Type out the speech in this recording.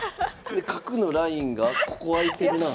で角のラインがここあいてるな。